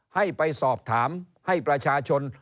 ให้ไปสอบถามให้ประชาชน